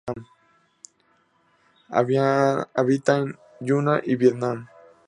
Habita en Yunnan y Vietnam.